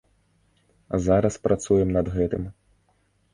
Зараз працуем над гэтым.